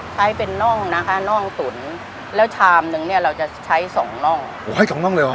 ใช้เป็นน่องนะคะน่องตุ๋นแล้วชามนึงเนี่ยเราจะใช้สองน่องโอ้ให้สองน่องเลยเหรอ